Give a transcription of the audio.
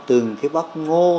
từng cái bắp ngô